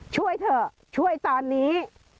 ช่วยเถอะช่วยตอนนี้